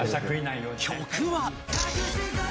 ［曲は］